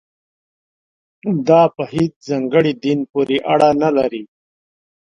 دا په هېڅ ځانګړي دین پورې اړه نه لري.